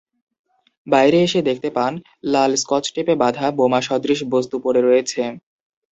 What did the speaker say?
বাইরে এসে দেখতে পান, লাল স্কচটেপে বাঁধা বোমাসদৃশ বস্তু পড়ে রয়েছে।